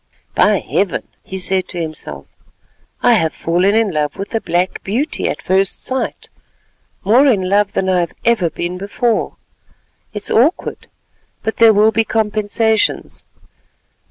"By Heaven!" he said to himself, "I have fallen in love with a black beauty at first sight—more in love than I have ever been before. It's awkward, but there will be compensations.